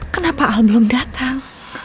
kenapa al belum datang